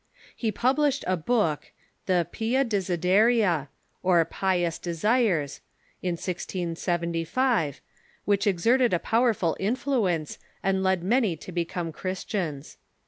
He published a book, the "Pia Desideria," or Pious Desires, in 1675, which exerted a powerful influence, and led many to become Christians.